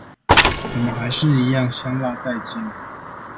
怎麼還是一樣香辣帶勁啊！